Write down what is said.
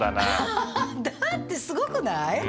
ハハハだってすごくない？